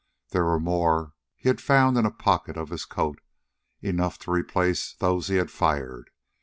There were more he had found in a pocket of his coat, enough to replace those he had fired.